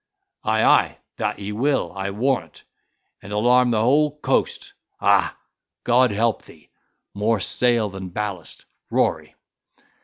—ay, ay, that he will, I warrant, and alarm the whole coast; ah! God help thee, more sail than ballast, Rory.